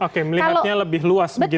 oke melihatnya lebih luas begitu ya